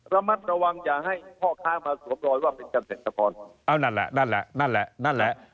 ระมัดระวังอย่าให้พ่อค้ามาสวมรอยว่าเป็นเกษตรกรเอานั่นแหละนั่นแหละนั่นแหละนั่นแหละ